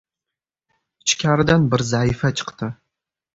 Ichkaridan bir zaifa chiqdi.